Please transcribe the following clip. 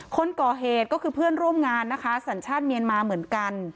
คนก่อเหตุก็คือเพื่อนร่วมงานนะคะสัญชาติเมียนมาเหมือนกัน